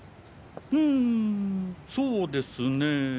うんそうですねぇ。